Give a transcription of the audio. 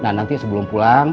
nah nanti sebelum pulang